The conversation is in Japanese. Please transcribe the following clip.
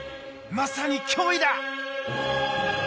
まさに脅威だ！